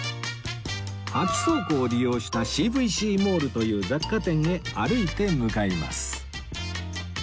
空き倉庫を利用した Ｃ．Ｖ．Ｃ モールという雑貨店へ歩いて向かいます